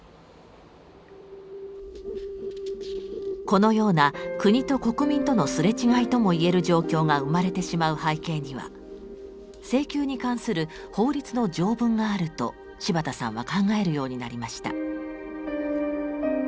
このような国と国民とのすれ違いとも言える状況が生まれてしまう背景には請求に関する法律の条文があると柴田さんは考えるようになりました。